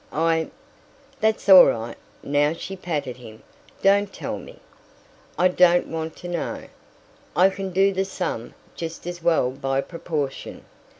"I " "That's all right" now she patted him "don't tell me. I don't want to know. I can do the sum just as well by proportion.